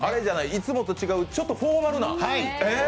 いつもと違うちょっとフォーマルな。